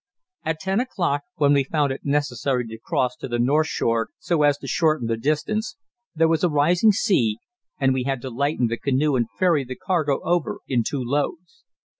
At ten o'clock, when we found it necessary to cross to the north shore so as to shorten the distance, there was a rising sea, and we had to lighten the canoe and ferry the cargo over in two loads.